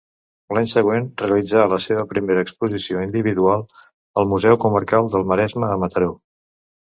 L'any següent realitza la seva primera exposició individual al Museu Comarcal del Maresme a Mataró.